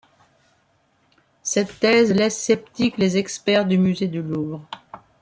Cette thèse laisse sceptiques les experts du musée du Louvre.